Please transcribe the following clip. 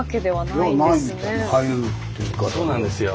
そうなんですよ。